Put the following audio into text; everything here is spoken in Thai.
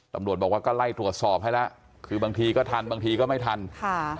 ตำรวจบอกว่าก็ไล่ตรวจสอบให้แล้วคือบางทีก็ทันบางทีก็ไม่ทันค่ะ